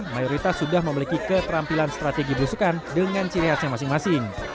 mayoritas sudah memiliki keterampilan strategi berusukan dengan ciri khasnya masing masing